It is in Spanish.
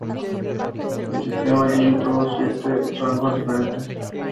El sistema Jin tuvo siete rangos diferentes.